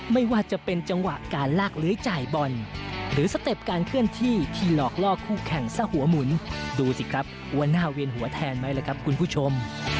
ไม่ว่าจะเป็นจังหวะการลากเลื้อยจ่ายบอลหรือสเต็ปการเคลื่อนที่ที่หลอกล่อคู่แข่งซะหัวหมุนดูสิครับว่าหน้าเวียนหัวแทนไหมล่ะครับคุณผู้ชม